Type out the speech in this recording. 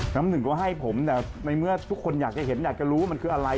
น้ำหนึ่งก็ให้ผมแต่ในเมื่อทุกคนอยากจะเห็นอยากจะรู้ว่ามันคืออะไร